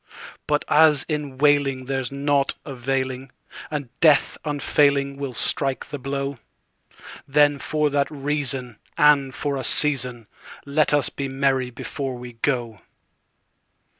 But as in wailing there's nought availing, And Death unfailing will strike the blow, Then for that reason, and for a season, Let us be merry before we go.